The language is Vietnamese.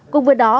cùng với đó